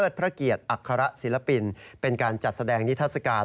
เทิดพระเกียรติอัครสิลปินเป็นการจัดแสดงดินทราชการ